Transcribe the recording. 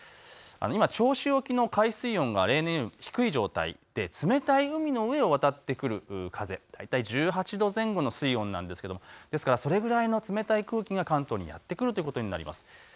今、銚子沖の海水温が例年より低い状態で冷たい海の上を渡ってくる風で、大体１８度前後の水温でそれぐらい冷たい風の空気が関東にやって来ることになります。